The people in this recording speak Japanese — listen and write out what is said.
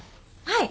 はい。